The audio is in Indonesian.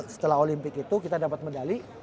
setelah olimpik itu kita dapat medali